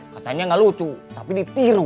katanya nggak lucu tapi ditiru